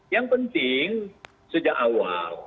yang penting sejak awal